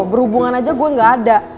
berhubungan aja gue gak ada